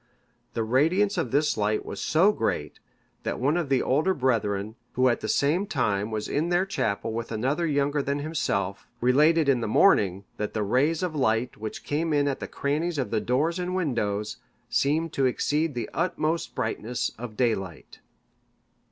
The radiance of this light was so great, that one of the older brethren, who at the same time was in their chapel with another younger than himself, related in the morning, that the rays of light which came in at the crannies of the doors and windows, seemed to exceed the utmost brightness of daylight.